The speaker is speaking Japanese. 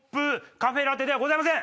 カフェラテではございません。